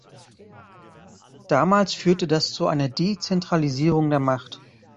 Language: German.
Damals führte das zu einer Dezentralisierung der Macht.